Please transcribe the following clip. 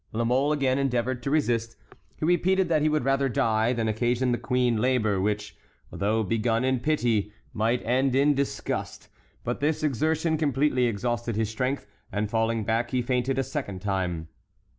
La Mole again endeavored to resist; he repeated that he would rather die than occasion the queen labor which, though begun in pity, might end in disgust; but this exertion completely exhausted his strength, and falling back, he fainted a second time.